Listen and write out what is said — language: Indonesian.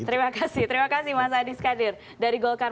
terima kasih terima kasih mas adi skadir dari golkar